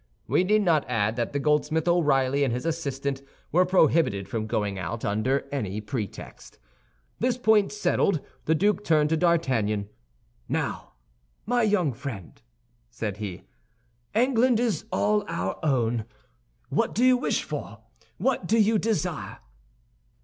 We need not add that the goldsmith, O'Reilly, and his assistant, were prohibited from going out under any pretext. This point, settled, the duke turned to D'Artagnan. "Now, my young friend," said he, "England is all our own. What do you wish for? What do you desire?"